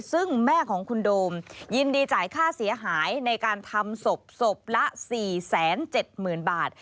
ซึ่งแม่ของคุณโดมยินดีจ่ายค่าเสียหายในการทำศพศพละ๔๗๐๐๐บาท